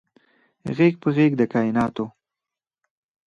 غیږ په غیږ د کائیناتو